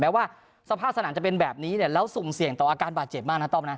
ว่าสภาพสนามจะเป็นแบบนี้เนี่ยแล้วสุ่มเสี่ยงต่ออาการบาดเจ็บมากนะต้อมนะ